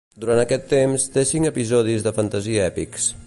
Durant aquest temps, té cinc episodis de fantasia èpics.